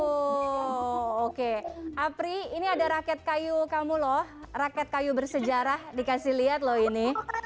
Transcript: oh oke apri ini ada raket kayu kamu loh rakyat kayu bersejarah dikasih lihat loh ini